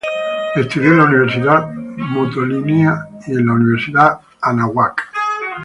Estudió en la Universidad Motolinía y en la Universidad Anáhuac.